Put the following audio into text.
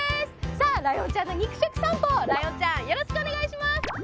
さあライオンちゃんの肉食さんぽライオンちゃんよろしくお願いします。